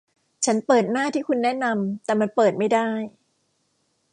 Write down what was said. ฉันเปิดหน้าที่คุณแนะนำ แต่มันเปิดไม่ได้